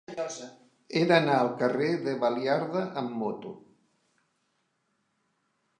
He d'anar al carrer de Baliarda amb moto.